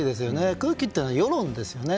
空気っていうのは世論ですよね。